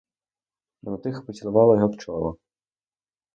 Вона тихо поцілувала його в чоло.